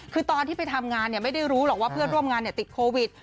คือตอนที่ไปทำงานไม่ได้รู้หรอกว่าเพื่อนร่วมงานติดโควิด